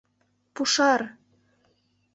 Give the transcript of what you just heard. — Пушар!